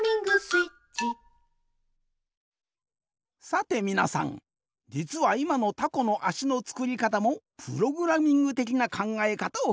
さてみなさんじつはいまのタコのあしのつくりかたもプログラミングてきなかんがえかたをふくんでおる。